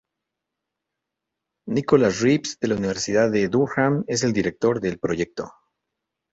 Nicholas Reeves de la Universidad de Durham es el director del proyecto.